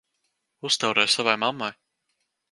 Uztaurē savai mammai!